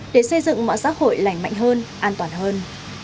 để xây dựng mạng xã hội lành mạnh hơn an toàn hơn